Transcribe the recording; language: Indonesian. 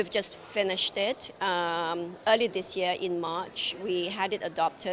pada bulan maret tahun ini kami sudah mengadopsi